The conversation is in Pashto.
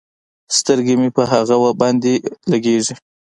سترګې مې په هغه باندې لګېږي.